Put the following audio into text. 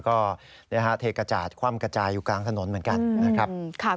ก็เทกระจาดความกระจายอยู่กลางถนนเหมือนกัน